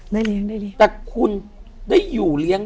ได้เลี้ยงได้เลี้ยง